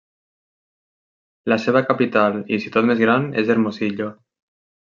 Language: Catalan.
La seva capital i ciutat més gran és Hermosillo.